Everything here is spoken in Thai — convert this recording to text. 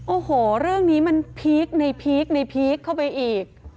โอ้โหเรื่องนี้มันพีคในพีคในพีคเข้าไปอีก